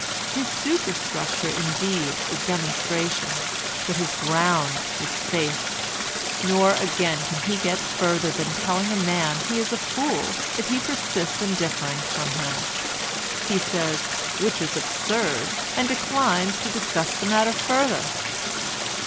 His superstructure indeed is demonstration, but his ground is faith. Nor again can he get further than telling a man he is a fool if he persists in differing from him. He says "which is absurd," and declines to discuss the matter further.